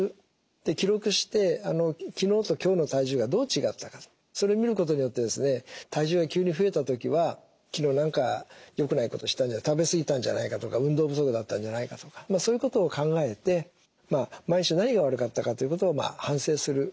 で記録して昨日と今日の体重がどう違ったかそれ見ることによって体重が急に増えた時は昨日何かよくないことしたんじゃ食べ過ぎたんじゃないかとか運動不足だったんじゃないかとかそういうことを考えて毎週何が悪かったかということを反省するこれが大事だと思います。